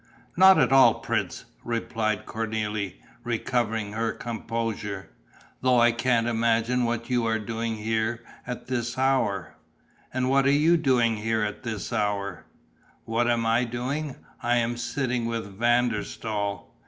"Not at all, prince!" replied Cornélie, recovering her composure. "Though I can't imagine what you are doing here, at this hour." "And what are you doing here, at this hour?" "What am I doing? I am sitting with Van der Staal...."